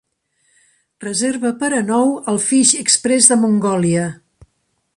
reserva per a nou al Fish Express de Mongòlia